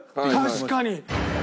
確かに！